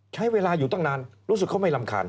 ใช้เวลาอยู่ตั้งนานรู้สึกเขาไม่รำคาญ